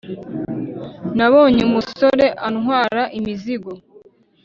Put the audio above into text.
nabonye umusore antwara imizigo.